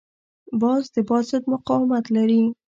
باز د باد ضد مقاومت لري